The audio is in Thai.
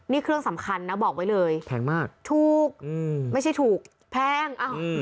นี่เครื่องสำคัญนะบอกไว้เลยแพงมากถูกไม่ใช่ถูกแพง